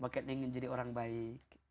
makanya ingin jadi orang baik